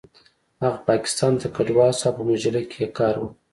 هغه پاکستان ته کډوال شو او په مجله کې یې کار وکړ